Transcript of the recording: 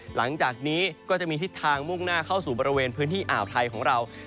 หลังจากนี้ก็จะมีทิศทางมุ่งหน้าเข้าสู่บริเวณพื้นที่อ่าวไทยของเรา